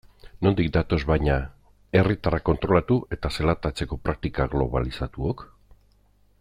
Nondik datoz baina herriatarrak kontrolatu eta zelatatzeko praktika globalizatuok?